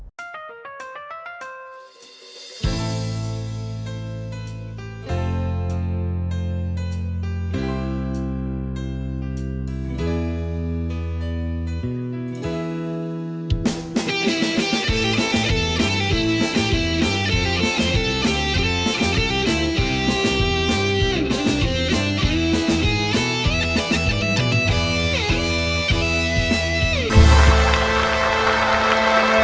โอเค